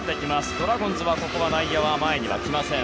ドラゴンズはここは内野は前には来ません。